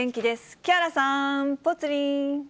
木原さん、ぽつリン。